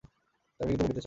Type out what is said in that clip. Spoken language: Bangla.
যামিনী কিন্তু মরিতে চায়।